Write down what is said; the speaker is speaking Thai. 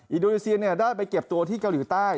อินโดนีเซียเนี่ยได้ไปเก็บตัวที่เกาหลีอยู่ใต้